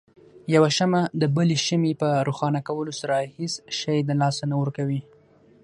يوه شمعه دبلې شمعې په روښانه کولو سره هيڅ شی د لاسه نه ورکوي.